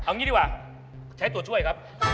เอางี้ดีกว่าใช้ตัวช่วยครับ